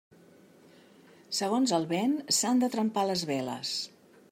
Segons el vent s'han de trempar les veles.